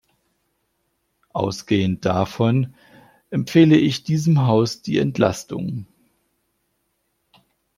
Ausgehend davon empfehle ich diesem Haus die Entlastung.